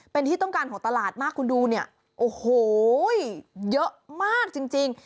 เป็นที่ต้องการของตลาดมากคุณดูเนี่ยโอ้โหเยอะมากจริง